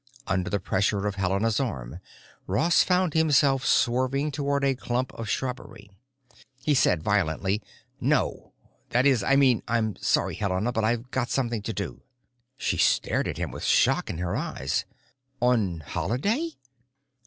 Under the pressure of Helena's arm, Ross found himself swerving toward a clump of shrubbery. He said violently, "No! That is, I mean I'm sorry, Helena, but I've got something to do." She stared at him with shock in her eyes. "On Holiday?"